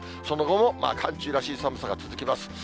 その後も寒中らしい寒さが続きます。